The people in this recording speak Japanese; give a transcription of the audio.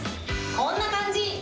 こんな感じ。